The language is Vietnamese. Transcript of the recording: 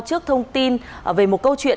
trước thông tin về một câu chuyện